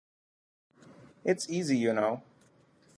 It’s easy, you know.